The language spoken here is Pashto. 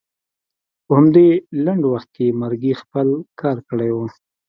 په همدې لنډ وخت کې مرګي خپل کار کړی و.